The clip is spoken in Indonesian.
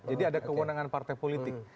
jadi ada kewenangan partai politik